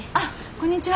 こんにちは。